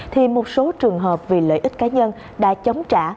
thì một số trường hợp vì lợi ích cá nhân đã chống trả